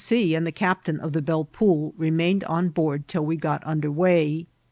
C. and the captain of the Belle Poule remained on board till we got under way.